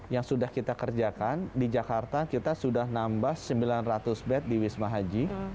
yang sudah kita kerjakan di jakarta kita sudah nambah sembilan ratus bed di wisma haji